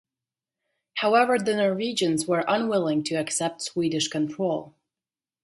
However, the Norwegians were unwilling to accept Swedish control.